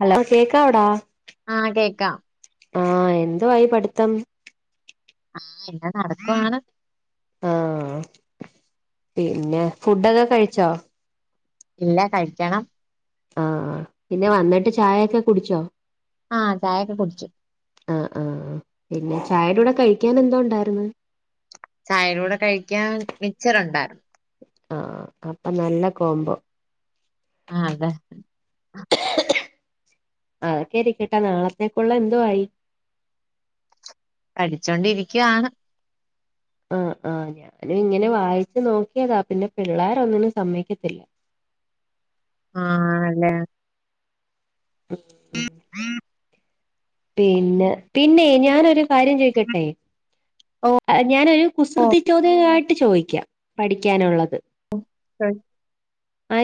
Hello കേക്കാവടാ ആഹ് കേക്കാം ആഹ് എന്തുവായി പഠിത്തം ആഹ് ഇങ്ങനെ നടക്കാണ് ആഹ് പിന്നെ ഫുഡൊക്കെ കഴിച്ചോ ഇല്ല കഴിക്കണം ആഹ് പിന്നെ വന്ന്ട്ട് ചായക്കെ കുടിച്ചോ ആഹ് ചായൊക്ക കുടിച്ചു ആഹ് ആഹ് പിന്നെ ചായടെ കൂടെ കഴിക്ക്യാൻ എന്താ ഉണ്ടാര്ന്ന് ചായയുടെ കൂടെ കഴിക്കാൻ മിച്ചർ ഉണ്ടാര്ന്നു ആഹ് അപ്പൊ നല്ല കോമ്പോ ആഹ് അതെ അതൊക്കെ ഇരിക്കട്ടേ നാളത്തേക്കുള്ള എന്തോ ആയി അടിച്ചോണ്ടിരിക്ക്യാൺ ആഹ് ആഹ് ഞാനും ഇങ്ങനെ വായിച്ചു നോക്കേതാ പിന്നെ പിള്ളേര് ഒന്നിനും സമ്മയ്ക്കത്തില്ല ആഹ് ല്ലെ ഉം ഉം പിന്നെ പിന്നെ ഞാനൊരു കാര്യം ചോയ്ക്കട്ടെ ഓ ഞാനൊരു ഓ കുസൃതി ചോദ്യമായിട്ട് ചോയിക്കാം പഠിക്ക്യാനുള്ളത് ഹായ്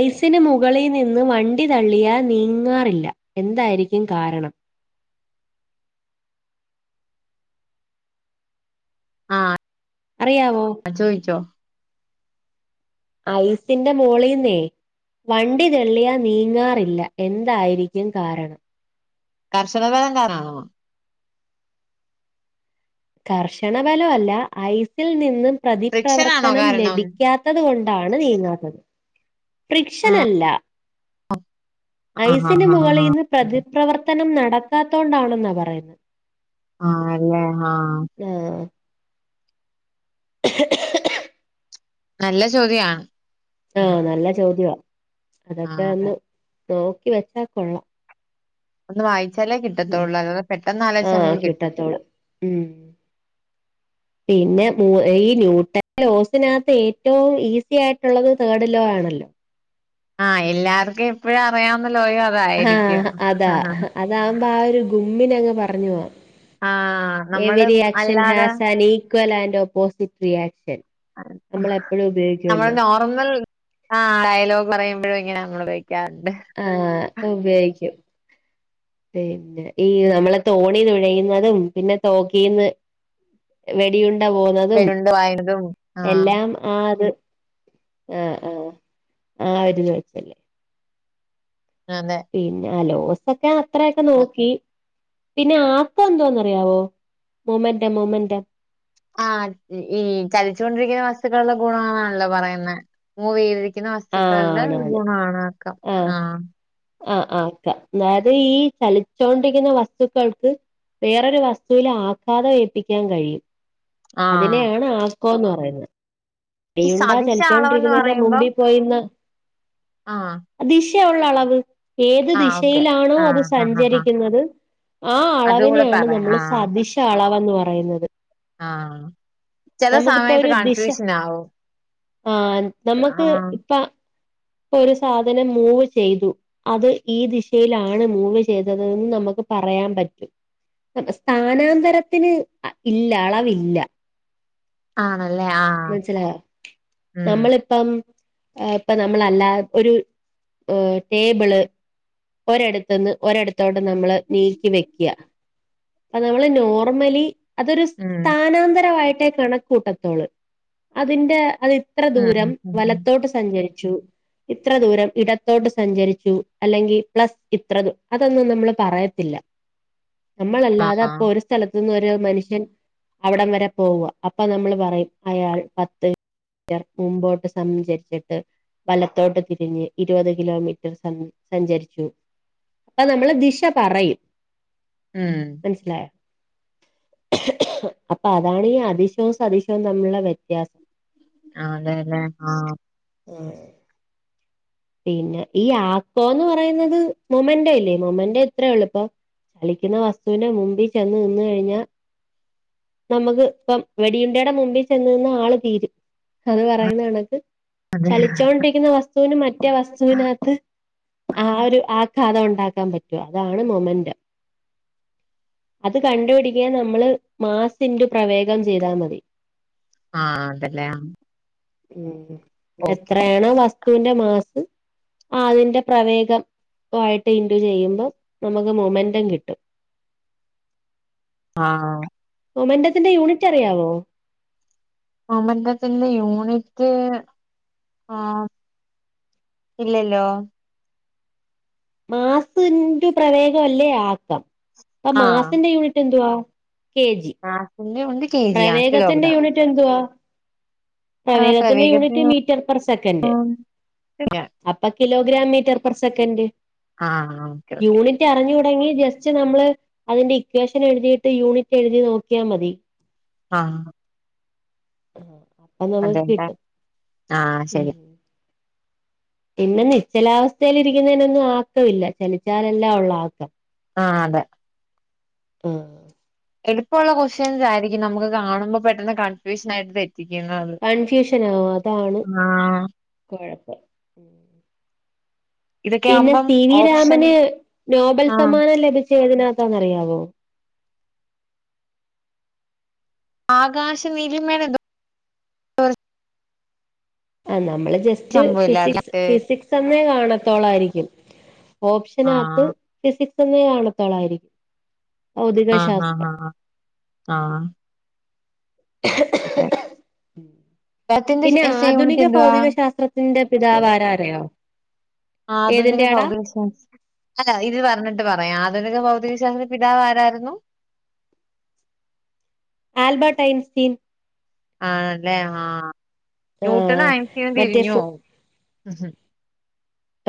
ഐസിന് മുകളി നിന്ന് വണ്ടി തള്ളിയാൽ നീങ്ങാറില്ല എന്തായിരിക്കും കാരണം ആഹ് അറിയാവോ ചോയിച്ചോ ഐസിന്റെ മോളീന്നേ വണ്ടി തെള്ളിയാ നീങ്ങാറില്ല എന്തായിരിക്കും കാരണം കർശനഫലം കാരണാണോ കർശനഫല അല്ല ഐസിൽ നിന്നും ഫ്രിക്ഷൻ ആണോ പ്രതിപ്രവർത്തനം കാരണം ലഭിക്കാ ത്തത് കൊണ്ടാണ് നീങ്ങാത്തത് ആഹ് പ്രിക്ഷനല്ല ആഹ് ഐസിന് ആഹ് ആഹ് മുകളീന്ന് പ്രതിപ്രവർ ത്തനം നടക്കാത്തോണ്ടാണെന്നാ പറയുന്ന് ആഹ് ല്ലേ ആഹ് ആഹ് [unintelligible] നല്ല ചോദ്യാ ആഹ് നല്ല ചോദ്യവാ അതൊക്കെ അതെ ഒന്ന് നോക്കി വെച്ചാ കൊള്ള ഒന്ന് വായിച്ചാലേ ഉം കിട്ടത്തൊള്ളൂ അല്ലാതെ പെട്ടെന്ന് ആലോച്ച ആഹ് നമക്ക് കിട്ടത്തില്ല കിട്ടത്തോളൂ ഉം പിന്നെ മൂ ഈ ന്യൂട്ട ലോസിനകത്ത് ഏറ്റവും ഈസി ആയിട്ടുള്ളത് തേഡ് ലോ ആണല്ലോ ആഹ് എല്ലാർക്കും എപ്പഴും അറിയാവുന്ന ലോയോ അതായിരിക്കും ഹ ഹ ഹ അതാവുമ്പോ ആ ഒരു ഗുമ്മിനങ് പറഞ് പോവ ആഹ് നമ്മള് എവിരിയാക്ഷൻ അല്ലാതെ has an equal and opposite reaction നമ്മളെപ്പഴും ഉപയോഗിക്കുവല്ലോ നമ്മൾ ആ ഡയലോഗ് പറയുമ്പോഴും ഇങ്ങനെ നമ്മളുപയൊഗിക്കാറുണ്ട് ആഹ് ഉപയോഗിക്കും പിന്നെ ഈ നമ്മളെ തോണി തുഴയുന്നതും പിന്നെ തോക്കീന്ന് വെടിയുണ്ട പോവുന്നതും വെരുണ്ട് വായുന്നതും ആഹ് എല്ലാം ആ അത് ആഹ് ആഹ് ആ വര്ന്ന് വെച്ചല്ലേ അതെ പിന്നെ ലോസൊക്കെ അത്രയെക്കെ നോക്കി പിന്നെ ആക്ക എന്തോന്നറിയാവോ മൊമെന്റൊ മൊമെന്റൊ ആത് ഈ ചലിച്ചോണ്ടിരിക്കുന്ന വസ്തുക്കളുടെ ഗുണാന്നാണല്ലോ പറയുന്നെ മൂവേയിലരിക്കുന്ന ആഹ് വസ്തുക്കളുടെ ഒരു ആണാണ് ഗുണവാണാക്കാം ആഹ് ആഹ് ആക്ക അതായത് ഈ ചലിച്ചോണ്ടിരിക്കുന്ന വസ്തുക്കൾക്ക് വേറൊരു വസ്തുവിൽ ആഘാതം ഏൽപ്പിക്കാൻ കഴിയും ആഹ് അതിനെയാണ് ആക്കോന്ന് പറയുന്നത് ഈ വെടിയുണ്ട സദിശ അളവെന്ന് ചലിച്ചോണ്ടിരിക്കുന്നെന്റെ പറയുമ്പം മുമ്പിൽ പോയിന്ന് ആഹ് ദിശ ഉള്ള അളവ് ഏത് ആഹ് ഓക്കെ. ദിശയിലാണോ അത് ആഹ് ആഹ് ആഹ് സഞ്ചരിക്കുന്നത് ആ അതും കൂടെ അളവിനെയാണ് പറയാം നമ്മള് ആഹ് സതിശ അളവ്ന്ന് പറയുന്നത് ആഹ് ചെല നമുക്കിപ്പോ സമയത്ത് ഒരു ദിശ കൺഫ്യൂഷനാവും ആഹ് നമ്മക്ക് ഇപ്പൊ ഇപ്പൊരു സാധനം മൂവ് ചെയ്തു അത് ഈ ദിശയിലാണ് മൂവ് ചെയ്തത് ന്ന് നമുക്ക് പറയാൻ പറ്റും സ്ഥാനാന്തരത്തിന് അ ഇല്ല അളവില്ല ആണല്ലേ ആഹ് മൻസിലായ ഉം നമ്മള് ഇപ്പം പ്പ നമ്മളല്ലാ ഒരു ടേബിള് ഒരെടത്ത്ന്ന് ഒരെടത്തോട്ട് നമ്മള് നീക്കി വെക്കുക അപ്പനമ്മള് നോർമലി അതൊരു ഉം. സ്ഥാനാന്തരമായിട്ടേ കണക്കൂട്ടത്തോളൂ അതിന്റെ അതിത്ര ഉം ദൂരം ഉം ഉം വലത്തോട്ട് സഞ്ചരിച്ചു ഇത്ര ദൂരം ഇടത്തോട്ട് സഞ്ചരിച്ചു അല്ലെങ്കിൽ പ്ലസ് ഇത്ര അതൊന്നും നമ്മള് പറയത്തില്ല നമ്മളല്ലാതെ ആഹ് പ്പൊ ഒരു സ്ഥലത്തു നിന്ന് ഒരു മനുഷ്യൻ അവിടം വരെ പോവുക അപ്പൊ നമ്മൾ പറയും അയാൾ പത്ത് [unintelligible] മുമ്പോട്ട് സംഞ്ചരിച്ചിട്ട് വലത്തോട്ട് തിരിഞ്ഞ് ഇരുപത് കിലോമീറ്റർ സംസഞ്ചരിച്ചു അ നമ്മള് ദിശ പറയും ഉം മൻസ്സിലായോ അപ്പതാണീ അതിശോ സതിശം തമ്മിള്ള വ്യത്യാസം ആ അതേ ലേ ആഹ് ഉം പിന്നെ ഈ ആക്കോന്ന് പറയുന്നത് മൊമന്റ ഇല്ലേ മൊമന്റ ഇത്രേ ഒള്ളൂ പ്പൊ ചലിക്കുന്ന വസ്തുവിന്റെ മുമ്പി ചെന്ന് നിന്ന്കഴിഞ്ഞാ നമ്മക്ക് പ്പം വെടിയുണ്ടേടെ മുമ്പി ചെന്ന് നിന്ന് ആള് തീരും അത് പറയുന്ന കണക്ക് ചലിച്ചോണ്ടിരിക്കുന്ന വസ്തുവിന് മറ്റേ വസ്തുവിനകത്ത് ആ ഒരു ആഘാതം ഉണ്ടാക്കാൻ പറ്റു, അതാണ് മൊമന്റ് അത് കണ്ടുപിടിക്കൻ നമ്മള് മാസ് ഇൻടു പ്രവേഗം ചെയ്താ മതി ആഹ് അതല്ലേ ഉം ഓക്കെ എത്രേണോ വസ്തുവിന്റെ മാസ ആഹ് അതിന്റ പ്രവേഗ വായിട്ട് ഇന്റു ചെയ്യുമ്പം ന്നമുക്ക് മൊമെന്റം കിട്ടും ആഹ് മൊമെന്റത്തിന്റെ യൂണിറ്ററിയാവോ? മൊമൻ്റത്തിന്റെ യൂണിറ്റ് ആഹ് ഇല്ലല്ലോ മാസ് ന്റു പ്രവേഗവല്ലേ ആക്കം അപ്പൊ ആഹ് മാസിന്റെ യൂണിറ്റെന്തുവാ? കെ ജി മാസിന്റെ യൂണിറ്റ് കെ ജി ആ കിലോ ഗ്രാം യൂണിറ്റെന്തുവാ? പ്രവേഗത്തിന്റെ യൂണിറ്റ് പ്രവേഗത്തിന് മീറ്റർ പെർ സെക്കൻ്റ് അപ്പ കിലോഗ്രാം മീറ്റർ പെർ സെക്കൻ്റ് ആഹ് ഓക്കെ ഓക്കെ യൂണിറ്റ് അറിഞ്ഞൂടെങ്കി ജസ്റ്റ് നമ്മള് അതിന്റെ ഇക്വേഷനെഴുതീട്ട് യൂണിറ്റ് എഴുതി നോക്കിയാ മതി ആഹ് എന്നാ നമുക്ക് അതെല്ലേ കിട്ടും ആഹ് മ് ശരി പിന്നെ നിശ്ചലാവസ്ഥയിലിരിക്കുന്നേനൊന്നും ആക്കവില്ല ചലിച്ചാലെല്ലേ ഒള്ളൂ ആക്കം ആഹ് അതെ മ് എളുപ്പ ഉള്ള കൊസ്റ്റ്യൻസായിരിക്കും ന്നമുക്ക് കാണുമ്പം പെട്ടെന്ന് കൺഫ്യൂഷനായിട്ട് തെ റ്റിക്കുന്നത് കൺഫ്യൂഷനാവും അതാണ് കൊഴപ്പം ഇതൊക്കെ പിന്നെ ആവുമ്പം സി വി ഓപ്ഷൻ രാമന് നോബൽ ആഹ് സമ്മാനം ലഭിച്ചേ ഏതിനാത്താന്നറിയാവോ? ആകാശ ന്നീലിമേലെന്തോ ആഹ് ന്നമ്മള് ജസ്റ്റ് സംഭവല്ലായിരുന്നോ ഫിസിക്സ് മറ്റേ ഫിസിക് സന്നേ കാണത്തൊളായിരിക്കും ആഹ് ഓപ്ഷനകത്ത് ഫിസിക്സെന്നേ കാണത്തോളായിരി ആഹ് ഹഹ ഹഹ ആഹ് അതെ അദ്ദേഹത്തിന്റെ പിന്നെ എസ്സേ യൂണിറ്റ് ആധുനിക എന്തുവാ ഭൗതിക ശാസ്ത്ര ത്തിന്റെ പിതാവാരാ അറിയോ? ആധുനിക ഏതിന്റെയാടാ ഭൗതിക ശാസ് അല്ല ഇത് പറഞ്ഞിട്ട് പറയാം ആധുനിക ഭൗതികശാസ്ത്രത്തിന്റെ പിതാവാരായ്രുന്നു? ആൽബേട്ട് ഐൻസ്റ്റീൻ ആണ്ലേ ആഹ് ന്യൂട്ടണും, ആഹ് അയൺസ്റ്റീനും മറ്റേ ഫു തിരിഞ്ഞോവും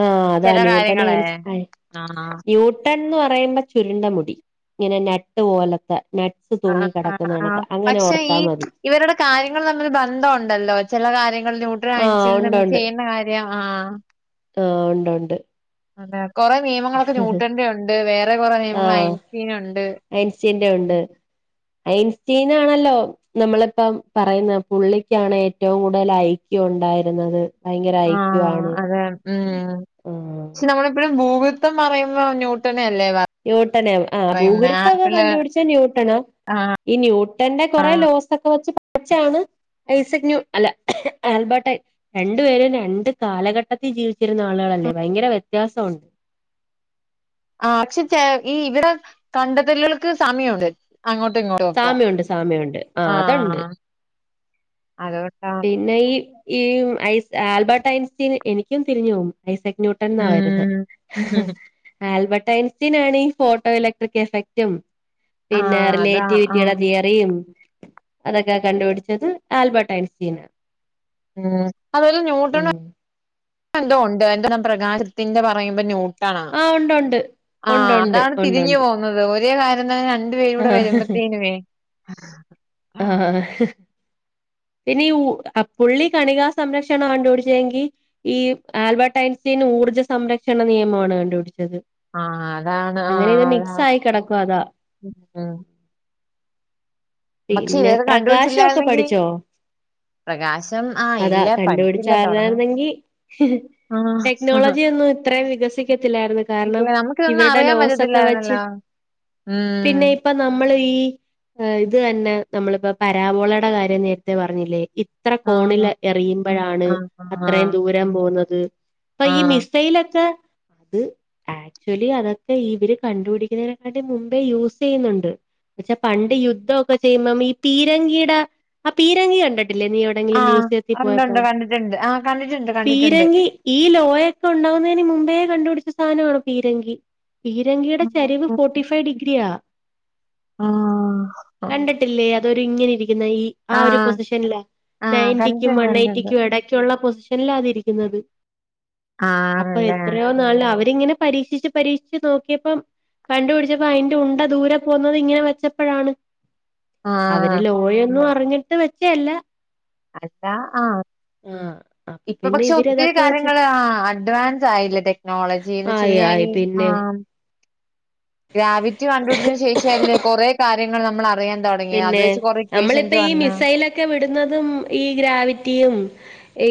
ആഹ് അതാ ന്യൂട്ടനും ഐൻസ്റ്റീനും ആഹ് ന്യൂ ട്ടൺ ന്ന് പറയുമ്പം ചുരുണ്ട മുടി ഇങ്ങനെ ഞട്ട് പോലത്തെ ന ട്ട് തൂങ്ങി ആഹ് ആഹ് കെടക്കുന്ന ആഹ് കണക്ക് അങ്ങനെ പക്ഷെ ഓർത്താ ഈ മതി ഇവരുടെ കാര്യങ്ങള് തമ്മില് ബന്ധവുണ്ടല്ലോ ചെല കാര്യങ്ങളിൽ ന്യൂട്രനും, ആഹ് അയൻസ്റ്റീനും ഉണ്ട് തമ്മില് ഉണ്ട് ചെയ്യുന്ന കാര് ര്യം ആഹ് ആഹ് ഉണ്ട് ഉണ്ട് അതേ കൊറേ നിയമങ്ങളൊക്കെ ന്യൂട്ടൻന്റെയുണ്ട് വേറേ കൊറേ നിയമങ്ങൾ ആഹ് ഐൻസ്റ്റീനുണ്ട് ഐൻസ്റ്റീന്റെ ഉണ്ട് ഐൻസ്റ്റീനാണല്ലോ ന്നമ്മള്പ്പം പറയുന്ന പുള്ളിക്കാണ് ഏറ്റവും കൂടുതൽ ഐക്യു ഉണ്ടായിരുന്നത് ഭയങ്കര ഐക്യു ആഹ് ആണ് അതെ മ് ആഹ് ക്ഷെ നമ്മളെപ്പഴും ഗൂഗ് പ്പം പറയുമ്പോ ന്യൂട്ടണല്ലേ പർ ന്യൂട്ടനേ ആണ് ആഹ് ഭൂഗുരുത്തൊക്കെ കണ്ടുപിടിച്ചെ ന്യൂട്ടണാ ആഹ് ഈ ന്യൂട്ടന്റെ കൊറേ ലോസൊക്കെ വെച്ച് വെച്ചാണ് ഐസക് ന്യൂ അല്ല ആൽബേട്ടയ് രണ്ടു പേരും രണ്ട് കാലഘട്ടത്തിൽ ജീവിച്ചിരുന്ന ആളുകളല്ലേ ഭയങ്കര വ്യത്യാസവുണ്ട് ആഹ് പക്ഷെ ചെ ഈ ഇവിടെ കണ്ടത്തല്കൾക്ക് സാമ്യവുണ്ട് സാമ്യമുണ്ട് സാമ്യമുണ്ട് ആഹ് അതണ്ട് അതുകൊണ്ട പിന്നെ ഈ ഈ ഐസ് ആൽബർട്ട് ഐൻസ്റ്റീൻ എനിക്കും തിരിഞ്ഞു പോവും ഐസക് ന്യൂ ട്ടൻ ന്നാ വരുന്നേ ഉം ആൽബർട്ട് ഐൻസ്റ്റീൻ ആണീ ഫോട്ടോ ഇലക്ട്രിക് എഫക് റ്റും പിന്നെ ആഹ് അതാ റിലേറ്റീവിറ്റിയുടെ ആഹ് തിയ റിയും അതൊക്കെ കണ്ടുപിടിച്ചത് ആൽബർട്ട് ഐൻസ്റ്റീന ഉം അതുപോലെ ന്യൂട്ടനും ഉം എന്തോ ഉണ്ട് എന്തനം പ്രകാശത്തിന്റെ പറയുമ്പം ന്യൂ കണാ ആ ഉണ്ട് ഉണ്ട് ഉണ്ട് ആഹ് ഉണ്ട് അതാണ് ഉണ്ട് തിരിഞ്ഞ് ഉണ്ട് പോ കുന്നത് ഒരേ കാര്യം രണ്ടു പേരും കൂടെ ആ വരുമ്പോത്തേനുവേ ആഹ് പിന്നെ ഊ അ പുള്ളി കണികാ സംരക്ഷണം കണ്ട്പടിച്ചെങ്കി ഈ ആൽബർട്ട് ഐൻസ്റ്റീൻ ഊർജ്ജ സംരക്ഷണ നിയമമാണ് കണ്ടുപിടിച്ചത് ആഹ് അതാണ് അങ്ങനെ ഇത് അതാണ് മിക്സായി കിടക്കുവാ അതാ ആഹ് ഉം. പക്ഷെ പിന്നെ ഇവര് കണ്ടുപിടി പ്രകാശമൊക്കെ ച്ചില്ലായിരുന്നെങ്കി പഠിച്ചോ? പ്രകാശം ആഹ് അതാ ഇല്ല കണ്ടുപിടിച്ച പഠിച്ചില്ല തൊടങ്ങണം ആരായിരുന്നെങ്കി ആഹ് ടെക്നോളജി ഒന്നും ഇത്രയും വികസിക്കത്തില്ലായിരുന്നു. കാരണം ഇല്ല നമുക്കിതൊന്നും ഇവരുടെ അറിയാൻ ലോസ് ഒക്കെ പറ്റത്തില്ലായിരുന്നല്ലോ ആഹ് ഇപ്പ നമ്മളെ ഈ ഇത് തന്നെ നമ്മളിപ്പോ പരാവോളയുടെ കാര്യം നേരത്തെ പറഞ്ഞില്ലേ ഇ ഇത്ര കോണിൽ ആഹ് എറിയുമ്പോഴാണ് ആഹ് അത്രയും ആഹ് ദൂരം പോകുന്നത് ഇപ്പൊ ഈ ആഹ് മിസ് സൈയിലൊക്കെ അത് ആക്ച്വലി അതൊക്കെ ഇവര് കണ്ടുപിടിക്കുന്നതിനെക്കാണ്ടി മുമ്പേ യൂസ് ചെയ്യുന്നുണ്ട് പക്ഷെ പണ്ട് യുദ്ധൊക്കെ ചെയ്യുമ്പം ഈ പീരങ്കിയുടെ ആ പീരങ്കി കണ്ടിട്ടില്ലേ നീ തെങ്കിലും ആഹ് മ്യൂസിയത്തി ഒണ്ടൊണ്ട് പോയപ്പം കണ്ടിട്ടുണ്ട് ആഹ് കണ്ടിട്ടുണ്ട് കണ്ടിട്ടുണ്ട്. പീരങ്കി ഈ ലോയൊക്കെ ഉണ്ടകുന്നതിന് മുമ്പേ കണ്ടുപിടിച്ച സാനമാണ് പീരങ്കി പീരങ്കിയുടെ ചരിവ് ആഹ് ഫോർട്ടി ഫൈവ് ഡിഗ്രിയാ ആഹ് കണ്ടിട്ടില്ലേ അതൊരു ഇങ്ങനെ ഇരിക്കുന്നെ ഈ ആ ഒരു ആഹ് പൊസിഷനില് ആഹ് നയന്റിക്കും കണ്ടിട്ടുണ്ട് വൺ കണ്ടിട്ടുണ്ട് എയ്റ്റിക്കും എടയിൽ റ്റുള്ള പൊസിഷൻലാ അതിരിക്കുന്നത് അപ്പൊ ആണല്ലേ എത്രയോ ന്നല്ല അവരിങ്ങനെ പരീക്ഷിച്ച് പരീക്ഷിച്ച് നോക്കിയപ്പം കണ്ടുപിടിച്ചപ്പോ അതിന്റെ ഉണ്ട ദൂരെ പോകുന്നത് ഇങ്ങനെ വെച്ചപ്പോഴാണ് അവര് ആഹ് ലോയൊന്നും അറിഞ്ഞിട്ട് വെച്ചെയല്ല അല്ലാ ആഹ് ആഹ് ആഹ് ഇപ്പൊ പക്ഷെ ഒത്തിരി കാര്യങ്ങള് ആഹ് അഡ്വാൻസ് ആയില്ല ടെക്നോളജിന്ന് ആയി വച്ചയിഞ്ഞാ ആയി ഈ പിന്നെ ആഹ് ഗ്രാവിറ്റി കണ്ടുപിടിച്ചതിന് ശേഷം അല്ലേ കൊറേ കാര്യങ്ങൾ നമ്മൾ അറിയാൻ തൊ പിന്നെ നമ്മളിപ്പ ഈ മിസൈലൊക്കെ വിടുന്നതും ഈ ഗ്രാവിറ്റിയും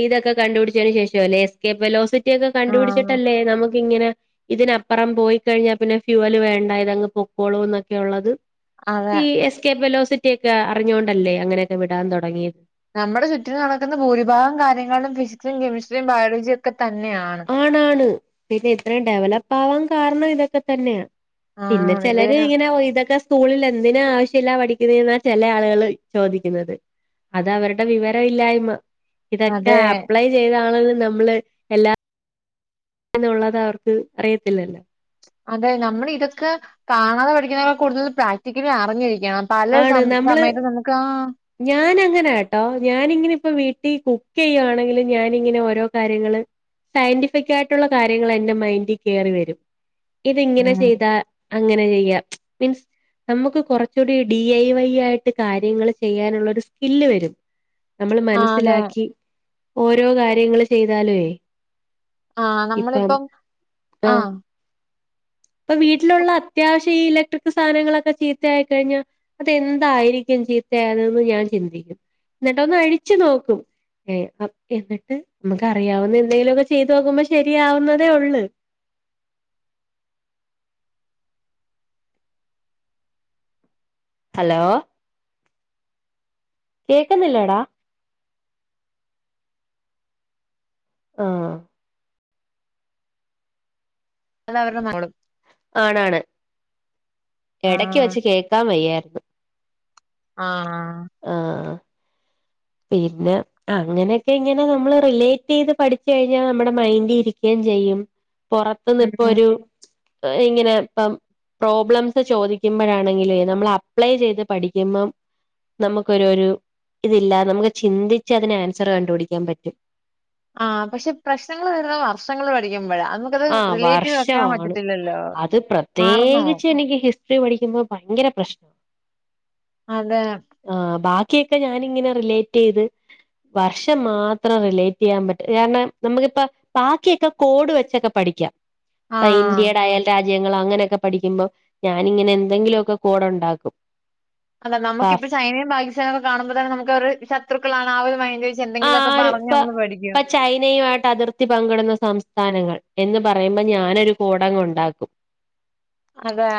ഇതൊക്കെ കണ്ടുപിടിച്ചതിന് ശേഷം അല്ലേ എസ് കെ ലോസിറ്റിയ ഒക്കെ ആഹ് കണ്ടുപിടിട്ടല്ലേ നമു ക്കിങ്ങനെ ഇതിനപ്പറം പോയി കഴിഞ്ഞാൽ പിന്നെ ഫ്യൂവല് വേണ്ട ഇതങ്ങ് പൊക്കോളുംന്നൊക്കെ ഒള്ളത് അതെ ഈ എസ് കെ ഫെലോസിറ്റിയൊക്കെ അറിഞ്ഞോൊണ്ടല്ലേ അങ്ങനെയൊക്കെ വിടാൻ തൊടങ്ങിയത്. നമ്മടെ ചുറ്റിനും നടക്കുന്ന ഭൂരിഭാഗം കാര്യങ്ങളിലും ഫിസിക്സും കെമിസ്ട്രിയും ബയോളജിയും ഒക്കെ തന്നെയാണ്. ആണാണ്, പിന്നെ ഇത്രയും ഡെവലപ്പാവാൻ കാരണം ഇതൊക്കെ തന്നെയാ. പിന്നെ ആഹ് ചെലര് ഇവര് ഇങ്ങനെ ഇതൊക്കെ സ്കൂളില് എന്തിനാ ആവശ്യല്ലാതെ പഠിക്കുന്നേന്നാ ചെല ആളുകള് ചോദിക്കുന്നത്. അത് അവരുടെ വിവരം ഇല്ലായ്മ, ഇതൊക്കെ അതെ അപ്ലൈ ചെയ്താണെന്ന് നമ്മള് എല്ലാ എന്നുള്ളത് അവർക്ക് അറിയത്തില്ലല്ലോ. അതെ നമ്മള് ഇതൊക്കെ കാണാതെ പഠിക്കുന്നതിനെക്കാൾ കൂടുതൽ പ്രാക്റ്റിക്കലി അറിഞ്ഞിരിക്കണം. പല സം സമയത്തും നമുക്കാ ഞാനങ്ങനാട്ടോ ഞാനിങ്ങനെ ഇപ്പോ വീട്ടിൽ കുക്ക് ചെയ്യുവാണെങ്കിലും ഞാനിങ്ങനെ ഓരോ കാര്യങ്ങള് സയിന്റിഫികായിട്ടുള്ള കാര്യങ്ങളെന്റെ മൈന്റി കേറി വരും, ഇതിങ്ങനെ ഉം ചെയ്താ അങ്ങനെ ചെയ്യാം, മീൻസ് നമുക്ക് കൊറച്ചൂടി ഡി ഐ വൈ യായിട്ട് കാര്യങ്ങള് ചെയ്യാനുള്ളൊരു സ്കില്ല് വരും, നമ്മള് ആഹ് അതെ മനസ്സിലാക്കി ഓരോ കാര്യങ്ങള് ചെയ്താലുവേ ആഹ് ഇപ്പം നമ്മളിപ്പം ആഹ് ഇപ്പൊ വീട്ടിലുള്ള അത്യാവശ്യം ഈ ഇലക്ട്രിക് സാധനങ്ങളൊക്കെ ചീത്തയായിക്കഴിഞ്ഞാ അതെന്തായിരിക്കും ചീത്തയായെന്ന് ഞാൻ ചിന്തിക്കും, എന്നിട്ടൊന്ന് അഴിച്ച് നോക്കും. ഏഹ് അഹ് എന്നിട്ട് മ്മക്ക് അറിയാവുന്ന എന്തേലൊക്കെ ചെയ്തോക്കുമ്പൊ ശരിയാവുന്നതേ ഒള്ളു. ഹലോ കേക്ക്ന്നില്ലേടാ ആഹ് അതവരുടെ [unintelligible] ആണാണ്, എടക്ക് ആഹ് വെച്ച് കേക്കാൻ വയ്യാര്ന്ന്. ആഹ് ആഹ് പിന്നെ അങ്ങനെക്കെയിങ്ങനെ നമ്മള് റിലേറ്റെയ്ത് പഠിച്ച് കഴിഞ്ഞാ നമ്മടെ മൈന്റി ഇരിക്കേം ചെയ്യും. ഉം പൊറത്തുന്ന്പ്പൊരു ഇങ്ങനെ ഇപ്പം പ്രോബ്ലംസ് ചോദിക്കുമ്പഴാണെങ്കിലുവേ നമ്മളപ്ലൈ ചെയ്ത് പഠിക്കുമ്പം നമുക്കൊരു ഒരു ഇതില്ല, നമുക്ക് ചിന്തിച്ച് അതിനാൻസറ് കണ്ടുപിടിക്കാൻ പറ്റും. ആ പക്ഷെ പ്രശ്നങ്ങള് വരുന്നത് വർഷങ്ങള് പഠിക്കുമ്പഴാ. ആഹ് വർഷാണ്, അത് മാറുന്നു പ്രത്യേകിച്ച് എനിക്ക് ഹിസ് റ്ററി പഠിക്കുമ്പൊ ഭയങ്കരപ്രശ് അതേ ആഹ് ബാക്കിയൊക്കെ ഞാനിങ്ങനെ റിലേറ്റെയ്ത് വർഷം മാത്രം റിലേറ്റെയ്യാൻ പറ്റ് കാരണം നമ്മക്കിപ്പ ബാക്കിയൊക്കെ കോഡ് വെ ച്ചൊക്കെ പഠിക്കാം, ആ ഇപ്പ ഇന്ത്യേടെ അയൽ രാജ്യങ്ങളങ്ങനൊക്കെ പഠിക്കുമ്പം ഞാനിങ്ങനെ എന്തെങ്കിലൊക്കെ കോഡൊണ്ടാക്കും. അതെ നമുക്കിപ്പോ ചൈനയും പാകിസ്ഥാനൊക്കെ കാണുമ്പൊതന്നെ നമുക്കവര് ശത്രുക്കളാണ് ആ ഒരു മൈന്റ് വെച്ചെ ന്തെങ്കിലൊക്കെ പറഞ്ഞമ്മള് പഠിക്കും. ചൈനയുയായിട്ട് അതിർത്തി പങ്കിടുന്ന സംസ്ഥാനങ്ങൾ എന്ന് പറയുമ്പൊ ഞാനൊരു കോഡങ്ങുണ്ടാക്കും. അതാ